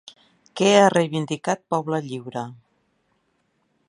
Què ha reivindicat Poble Lliure?